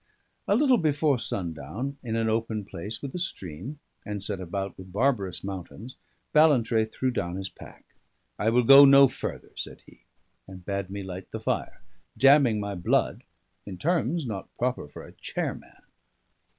A little before sundown, in an open place with a stream, and set about with barbarous mountains, Ballantrae threw down his pack. "I will go no further," said he, and bade me light the fire, damning my blood in terms not proper for a chairman.